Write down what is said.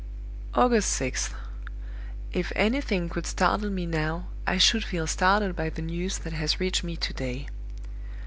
"August 6th. If anything could startle me now, I should feel startled by the news that has reached me to day.